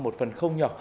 một phần không nhỏ